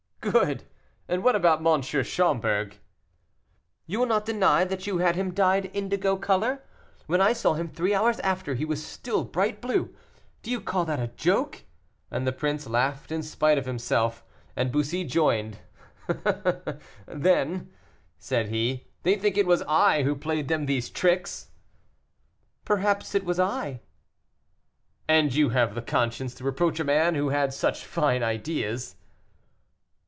"Good! and what about M. Schomberg?" "You will not deny that you had him dyed indigo color? When I saw him three hours after, he was still bright blue. Do you call that a joke?" And the prince laughed in spite of himself, and Bussy joined him. "Then," said he, "they think it was I who played them these tricks!" "Perhaps it was I." "And you have the conscience to reproach a man who had such fine ideas."